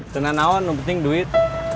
senang naon lebih penting duit